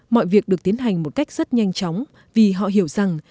mọi việc được tiến hành một cách rất nhanh chóng vì họ hiểu rằng